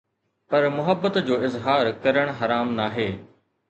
پر محبت جو اظهار ڪرڻ حرام ناهي